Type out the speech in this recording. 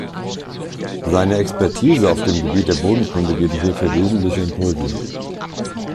Seine Expertise auf dem Gebiet der Bodenkunde geben hierfür wesentliche Impulse.